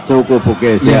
suku pukis ya